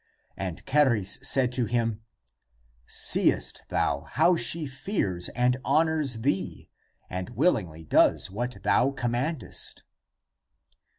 And Charis said to him, " Seest thou how she fears and honors thee, and willingly does what thou commandest